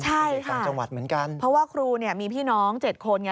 ใช่ค่ะเพราะว่าครูเนี่ยมีพี่น้องเจ็ดคนไง